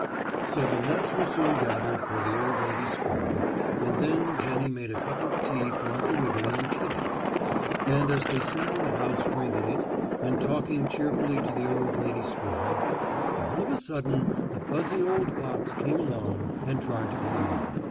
So the nuts were soon gathered for the old lady squirrel, and then Jennie made a cup of tea for Uncle Wiggily and Kittie. And as they sat in the house drinking it, and talking cheerfully to the old lady squirrel, all of a sudden the fuzzy old fox came along and tried to get in.